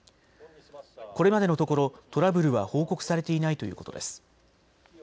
これまでのところトラブルは報告されていないということです。